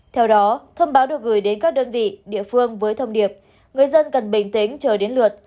theo đó thông báo được gửi đến các đơn vị địa phương với thông điệp người dân cần bình tĩnh chờ đến lượt